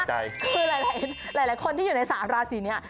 คือหลายคนที่อยู่ใน๓ราศีนี้